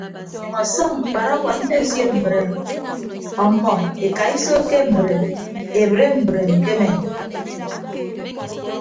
Ọnyʌñ ọsọñ mkparawa mmesio mbreem ọmmọ ekaiso ke mbreem ebre mbreem kemem.